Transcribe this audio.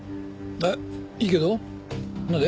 えっいいけどなんで？